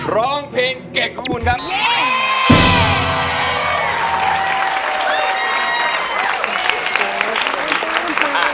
ร้องเพลงเก่งของคุณครับ